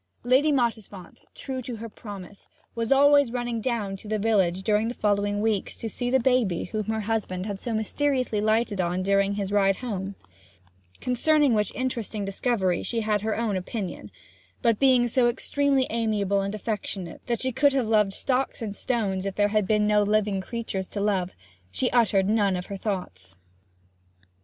Lady Mottisfont, true to her promise, was always running down to the village during the following weeks to see the baby whom her husband had so mysteriously lighted on during his ride home concerning which interesting discovery she had her own opinion; but being so extremely amiable and affectionate that she could have loved stocks and stones if there had been no living creatures to love, she uttered none of her thoughts.